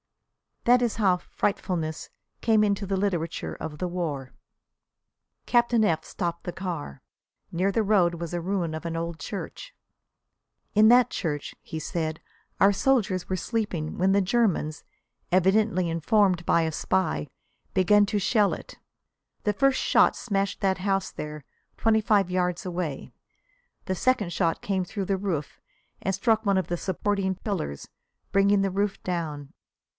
That is how "frightfulness" came into the literature of the war. Captain F stopped the car. Near the road was a ruin of an old church. "In that church," he said, "our soldiers were sleeping when the Germans, evidently informed by a spy, began to shell it. The first shot smashed that house there, twenty five yards away; the second shot came through the roof and struck one of the supporting pillars, bringing the roof down.